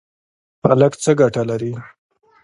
پالک څه ګټه لري؟